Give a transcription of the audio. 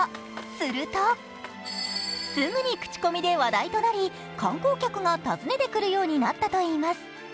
するとすぐに口コミで話題となり観光客が訪ねてくるようになったといいます。